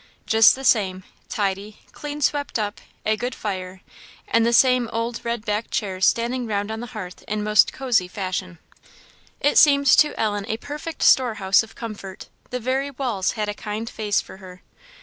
Just the same tidy, clean swept up, a good fire, and the same old red backed chairs standing round on the hearth in most cozy fashion. It seemed to Ellen a perfect storehouse of comfort; the very walls had a kind face for her.